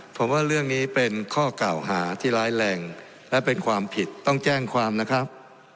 ผมว่าเรื่องนี้เป็นข้อกล่าวหาที่ร้ายแรงและเป็นความผิดต้องแจ้งความนะครับ